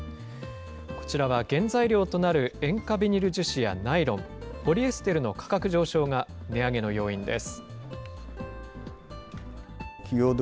こちらは原材料となる塩化ビニル樹脂やナイロン、ポリエステルの価格上昇が値上げの要因です。